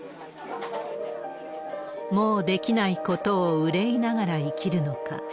もうできないことを憂いながら生きるのか。